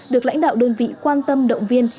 được lãnh đạo đơn vị quan tâm động viên